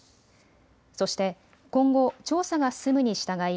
そして今後、調査が進むにしたがい